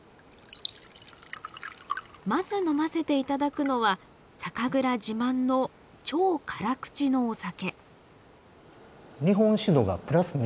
まず呑ませて頂くのは酒蔵自慢の超辛口のお酒。